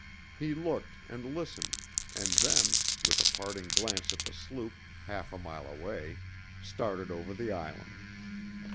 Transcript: He looked and listened, and then, with a parting glance at the sloop half a mile away, started over the island.